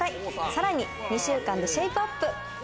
さらに２週間でシェイプアップ。